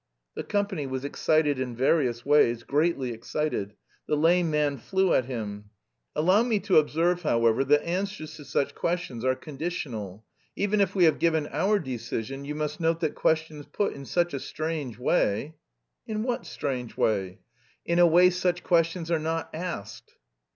The company was excited in various ways, greatly excited. The lame man flew at him. "Allow me to observe, however, that answers to such questions are conditional. Even if we have given our decision, you must note that questions put in such a strange way..." "In what strange way?" "In a way such questions are not asked."